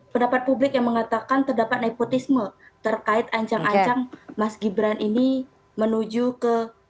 pendapat publik yang mengatakan terdapat nepotisme terkait ancang ancang mas gibran ini menuju ke